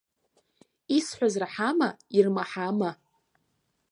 Исҳәаз раҳама, ирмаҳама?